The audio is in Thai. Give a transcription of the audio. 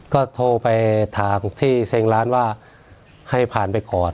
ก็โทรไปถามที่เซงร้านว่าให้ผ่านไปก่อน